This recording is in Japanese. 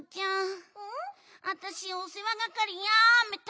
わたしおせわがかりやめた。